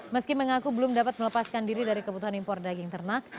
meski mengaku belum dapat melepaskan diri dari kebutuhan impor daging ternak